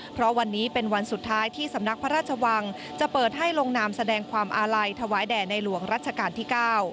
เพราะวันนี้เป็นวันสุดท้ายที่สำนักพระราชวังจะเปิดให้ลงนามแสดงความอาลัยถวายแด่ในหลวงรัชกาลที่๙